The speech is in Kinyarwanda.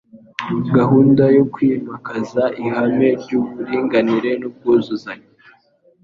gahunda yo kwimakaza ihame ry'uburinganire n'ubwuzuzanye